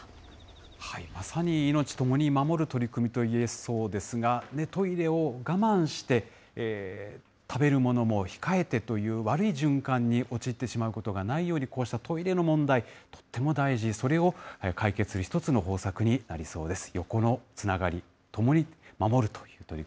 ここまで亀岡市で中継をお伝えしまさに、いのちともに守る取り組みといえそうですが、トイレを我慢して、食べるものも控えてという悪い循環に陥ってしまうことがないように、こうしたトイレの問題、とっても大事、それを解決する１つの方策になりそうです。